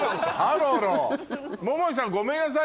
桃井さんごめんなさい